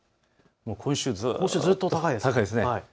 今週ずっと高いですね。